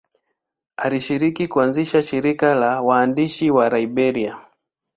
Alishiriki kuanzisha shirika la waandishi wa Liberia.